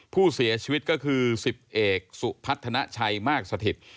ผู้เสียชีวิตก็คือ๑๐เอกสุพัฒนาชัยมากสถิต